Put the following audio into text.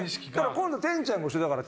今度天ちゃんが後ろだから。